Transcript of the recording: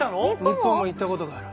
日本も行ったことがある。